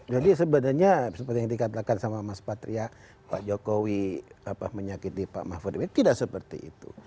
jadi sebenarnya seperti yang dikatakan sama mas patria pak jokowi apa menyakiti pak mahfud md tidak seperti itu